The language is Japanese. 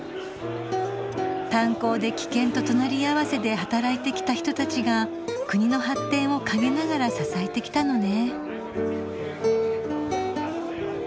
炭鉱で危険と隣り合わせで働いてきた人たちが国の発展を陰ながら支えてきたのね。